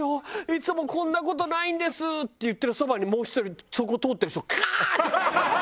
「いつもこんな事ないんです」って言ってるそばにもう１人そこ通ってる人カーッ！